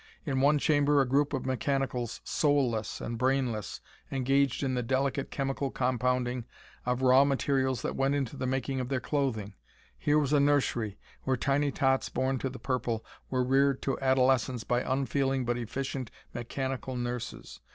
In one chamber a group of mechanicals, soulless and brainless, engaged in the delicate chemical compounding of raw materials that went into the making of their clothing. Here was a nursery, where tiny tots born to the purple were reared to adolescence by unfeeling but efficient mechanical nurses.